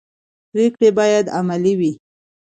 پرېکړې باید عملي وي